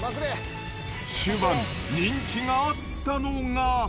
終盤、人気があったのが。